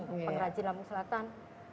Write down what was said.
pengrajin lampung selatan